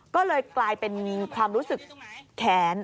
ก็เลยกลายเป็นความรู้สึกแค้น